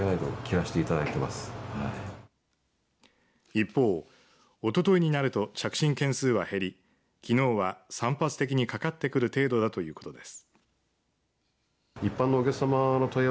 一方、おとといになると着信件数は減りきのうは散発的にかかってくる程度だということです。